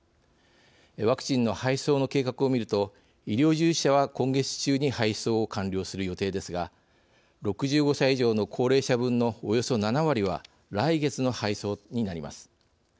ワクチンの配送の計画を見ると医療従事者は今月中に配送を完了する予定ですが６５歳以上の高齢者分のおよそ７割は来月の配送になります。